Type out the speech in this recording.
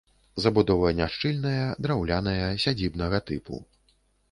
Забудова няшчыльная, драўляная, сядзібнага тыпу.